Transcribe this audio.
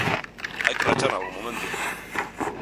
Hai que rachar nalgún momento.